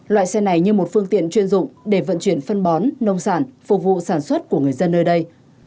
loại xe này như một phương tiện chuyên dụng để vận chuyển phân bón nông sản phục vụ sản xuất của người dân nơi đây